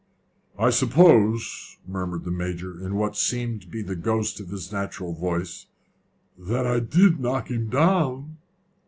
"I suppose," murmured the Major, in what seemed to be the ghost of his natural voice, "that I did knock him down?"